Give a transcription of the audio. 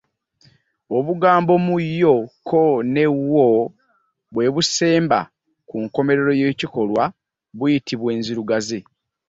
Obugambo mu yo ko ne wo bwe busemba ku nkomerero y’ekikolwa buyitibwa enzirugaze.